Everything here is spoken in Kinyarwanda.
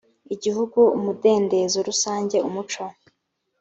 igihugu umudendezo rusange umuco